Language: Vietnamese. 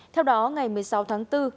theo đó ngày một mươi sáu tháng bốn